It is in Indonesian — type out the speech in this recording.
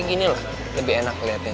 kayak gini lah lebih enak liatnya